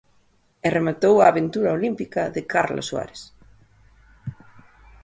E rematou a aventura olímpica de Carla Suárez.